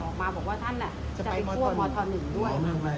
ออกมาบอกว่าท่านอ่ะจะใช้ควบมทหนึ่งด้วยไม่ไม่ไม่